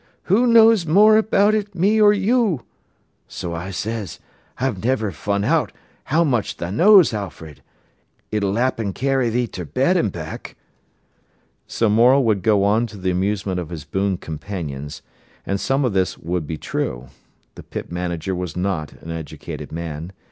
Who knows more about it, me or you?' So I says, 'I've niver fun out how much tha' knows, Alfred. It'll 'appen carry thee ter bed an' back.'" So Morel would go on to the amusement of his boon companions. And some of this would be true. The pit manager was not an educated man.